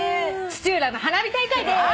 土浦の花火大会でーす！